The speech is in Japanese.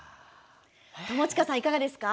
友近さんいかがですか？